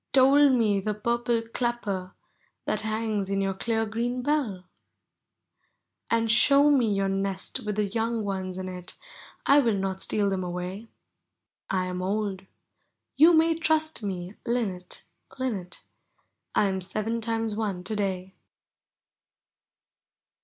toll me the purple clapper That hangs in your clear green bell ! And show me vour nest with the young ones in It, I will not steal them away; 1 am old! you may trust me, linnet, linnet! I am seven times one to day.